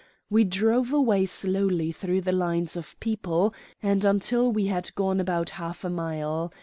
We drove away slowly through the lines of people and until we had gone about half a mile.